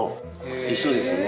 一緒ですね。